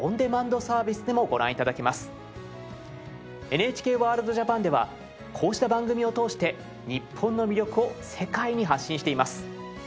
ＮＨＫワールドＪＡＰＡＮではこうした番組を通して日本の魅力を世界に発信しています。